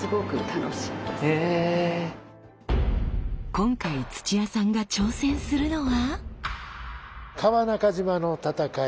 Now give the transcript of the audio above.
今回土屋さんが挑戦するのは。